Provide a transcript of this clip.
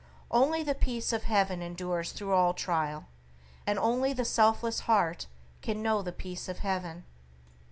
Only the Peace of Heaven endures through all trial, and only the selfless heart can know the Peace of Heaven.